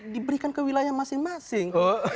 diberikan ke wilayah masing masing